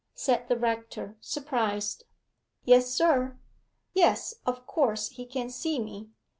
said the rector, surprised. 'Yes, sir.' 'Yes, of course he can see me.